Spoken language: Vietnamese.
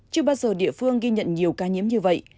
chưa bao giờ địa phương ghi nhận nhiều ca nhiễm như vậy